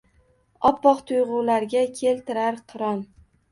Oppoq tuyg’ularga keltirar qiron.